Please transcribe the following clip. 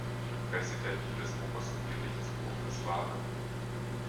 Präsidenten des Obersten Gerichtshofes waren